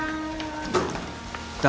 誰？